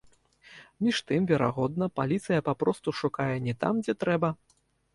Між тым, верагодна, паліцыя папросту шукае не там, дзе трэба.